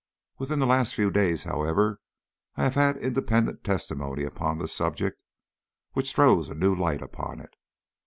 Within the last few days, however, I have had independent testimony upon the subject which throws a new light upon it.